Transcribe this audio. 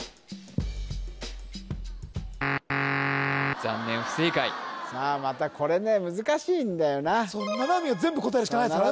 残念不正解さあまたこれね難しいんだよな七海が全部答えるしかないですよね